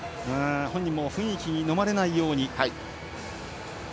本人も雰囲気にのまれないようにと。